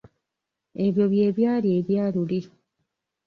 Ebyo bye byali ebya luli.